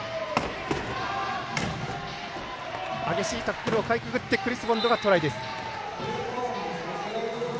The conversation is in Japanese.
激しいタックルをかいくぐってクリス・ボンド、トライ。